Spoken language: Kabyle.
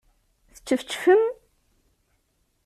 Teččefčfem?